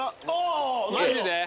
マジで？